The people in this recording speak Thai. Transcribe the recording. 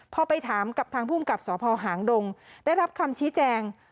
พอไปถามกับทางภูมิกับสพหางดงได้รับคำชี้แจง